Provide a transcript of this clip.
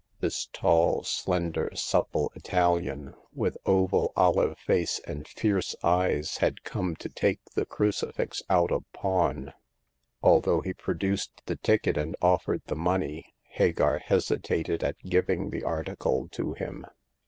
This tall, slender, supple Italian, with oval olive face and fierce eyes had come to take the cru cifix out of pawn. Although he produced the ticket and offered the money, Hagar hesitated at giving the article to him.